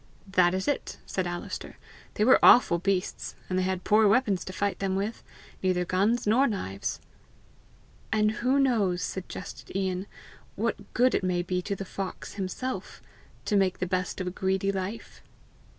"That is it," said Alister. "They were awful beasts! and they had poor weapons to fight them with neither guns nor knives!" "And who knows," suggested Ian, "what good it may be to the fox himself to make the best of a greedy life?"